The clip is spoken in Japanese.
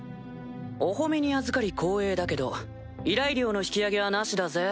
お褒めにあずかり光栄だけど依頼料の引き上げはなしだぜ？